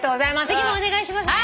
次もお願いします。